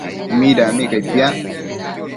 Midami cai piac?